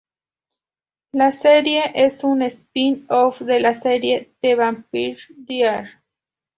La serie es un spin-off de la serie The Vampire Diaries.